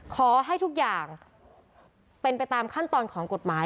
ขอให้ทุกอย่างเป็นไปตามขั้นตอนของกฎหมาย